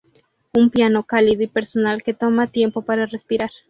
Un piano cálido y personal que toma tiempo para respirar.